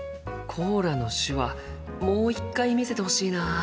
コーラの手話もう一回見せてほしいなあ。